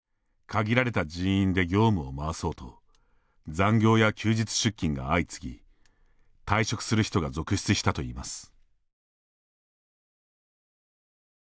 限られた人員で業務を回そうと残業や休日出勤が相次ぎ退職する人が続出したといいます。